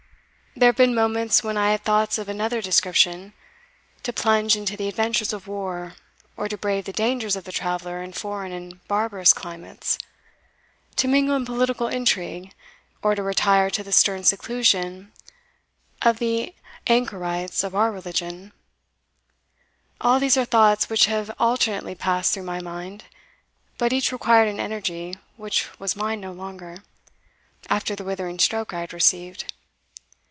There have been moments when I had thoughts of another description to plunge into the adventures of war, or to brave the dangers of the traveller in foreign and barbarous climates to mingle in political intrigue, or to retire to the stern seclusion of the anchorites of our religion; all these are thoughts which have alternately passed through my mind, but each required an energy, which was mine no longer, after the withering stroke I had received.